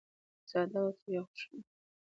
زه ادب او تربیه خوښوم.